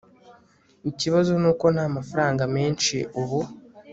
Ikibazo nuko ntamafaranga menshi ubu